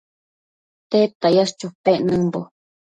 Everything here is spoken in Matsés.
¿Tedta yash chopec nëmbo ?